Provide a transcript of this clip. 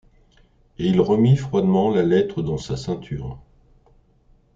Et il remit froidement la lettre dans sa ceinture.